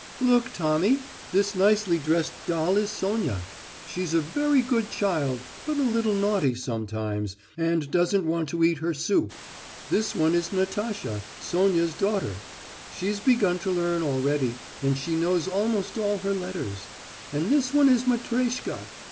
"Look, Tommy, this nicely dressed doll is Sonya. She's a very good child, but a little naughty sometimes, and doesn't want to eat her soup. This one is Natasha, Sonya's daughter. She's begun to learn already, and she knows almost all her letters. And this one is Matreshka.